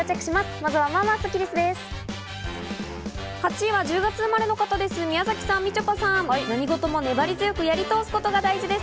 まずは、まあまあスッキりすです。